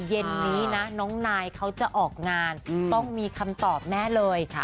เย็นนี้นะน้องนายเขาจะออกงานต้องมีคำตอบแน่เลย